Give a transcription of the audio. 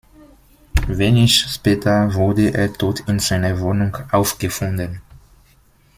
Wenig später wurde er tot in seiner Wohnung aufgefunden.